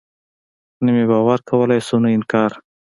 نه مې باور کولاى سو نه انکار.